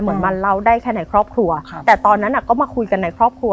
เหมือนมันเล่าได้แค่ในครอบครัวแต่ตอนนั้นก็มาคุยกันในครอบครัว